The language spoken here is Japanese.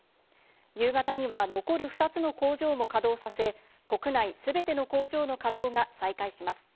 夕方には残る２つの工場も稼働させ、国内全ての工場の稼働が再開します。